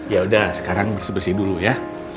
yaudah sekarang bersih bersih dulu ya